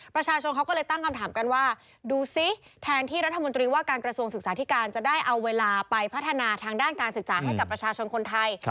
ประชาชนเขาก็เลยตั้งคำถามกันว่าดูซิแทนที่รัฐมนตรีว่าการกระทรวงศึกษาธิการจะได้เอาเวลาไปพัฒนาทางด้านการศึกษาให้กับประชาชนคนไทย